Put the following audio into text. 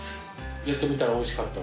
やってみたらおいしかった？